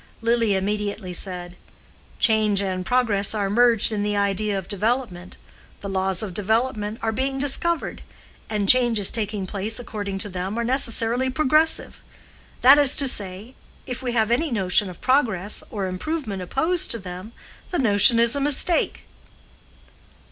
Lily immediately said, "Change and progress are merged in the idea of development. The laws of development are being discovered, and changes taking place according to them are necessarily progressive; that is to say, it we have any notion of progress or improvement opposed to them, the notion is a mistake."